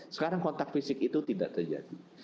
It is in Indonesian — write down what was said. sekarang kontak fisik itu tidak terjadi